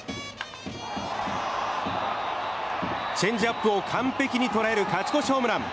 チェンジアップを完璧に捉える勝ち越しホームラン。